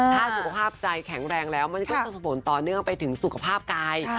ถ้าสุขภาพใจแข็งแรงแล้วมันก็จะส่งผลต่อเนื่องไปถึงสุขภาพกาย